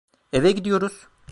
Eve gidiyoruz.